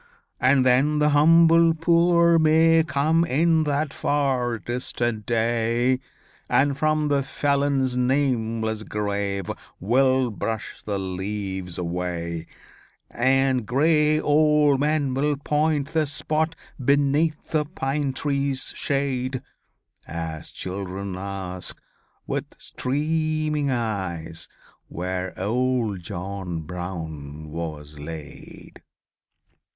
And then the humble poor may come In that far distant day, And from the felon's nameless grave Will brush the leaves away: And gray old men will point the spot Beneath the pine tree's shade, As children ask with streaming eyes Where old John Brown was laid."